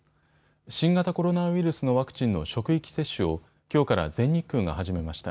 新型コロナウイルスのワクチンの職域接種をきょうから全日空が始めました。